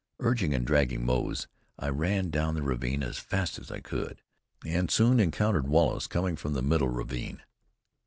Urging and dragging Moze, I ran down the ravine as fast as I could, and soon encountered Wallace coming from the middle ravine.